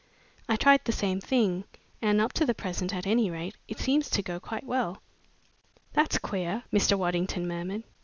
I tried the same thing, and up to the present, at any rate, it seems to go quite Well." "That's queer," Mr. Waddington murmured.